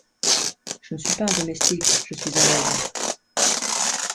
Je ne suis pas un domestique, je suis un legs…